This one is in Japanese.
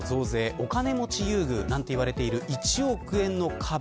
お金持ち優遇などと言われている１億円の壁